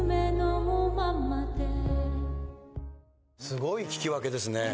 すごい聞き分けですね。